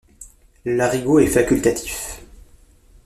Le Larigot est facultatif.